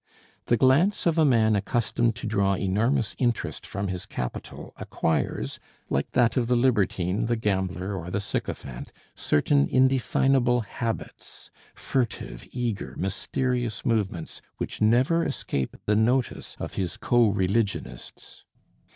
The glance of a man accustomed to draw enormous interest from his capital acquires, like that of the libertine, the gambler, or the sycophant, certain indefinable habits, furtive, eager, mysterious movements, which never escape the notice of his co religionists.